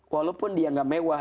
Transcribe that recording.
walaupun dia gak mewah